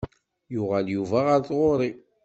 Yuɣal Yuba ɣer tɣuri.